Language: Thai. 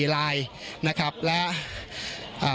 ลายนะครับและอ่า